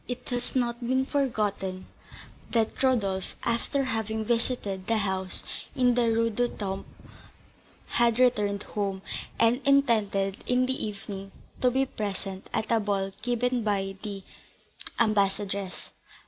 It has not been forgotten that Rodolph, after having visited the house in the Rue du Temple, had returned home, and intended, in the evening, to be present at a ball given by the ambassadress.